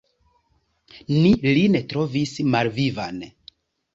Ni lin trovis malvivan.